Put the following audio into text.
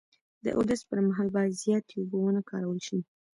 د اودس پر مهال باید زیاتې اوبه و نه کارول شي.